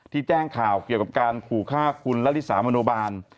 แจ้งข่าวเกี่ยวกับการขู่ฆ่าคุณละลิสามโนบาล